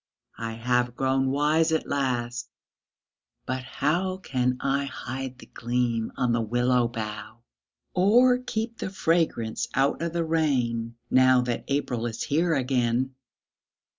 I have grown wise at last but how Can I hide the gleam on the willow bough, Or keep the fragrance out of the rain Now that April is here again?